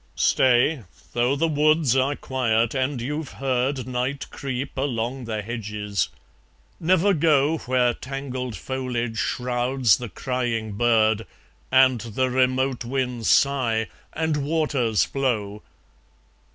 Stay! though the woods are quiet, and you've heard Night creep along the hedges. Never go Where tangled foliage shrouds the crying bird, And the remote winds sigh, and waters flow!